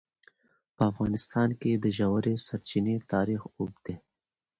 په افغانستان کې د ژورې سرچینې تاریخ اوږد دی.